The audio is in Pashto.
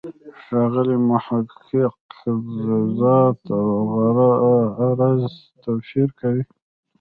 ښاغلی محق د «ذات» او «عرض» توپیر کوي.